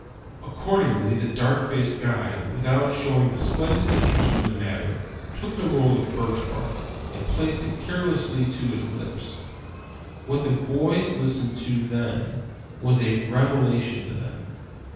Accordingly, the dark faced guide, without showing the slightest interest in the matter, took the roll of birch bark, and placed it carelessly to his lips. What the boys listened to then, was a revelation to them.